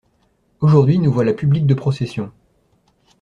Aujourd'hui nous voilà public de procession!